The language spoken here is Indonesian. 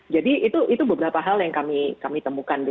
jadi itu beberapa hal yang kami temukan